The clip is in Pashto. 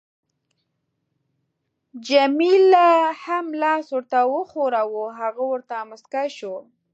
جميله هم لاس ورته وښوراوه، هغه ورته مسکی شو.